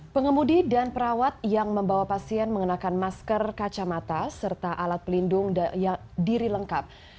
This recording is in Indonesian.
pengemudi dan perawat yang membawa pasien mengenakan masker kacamata serta alat pelindung diri lengkap